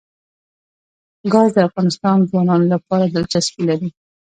ګاز د افغان ځوانانو لپاره دلچسپي لري.